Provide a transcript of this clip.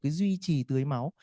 cái duy trì tưới máu